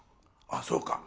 あっそうか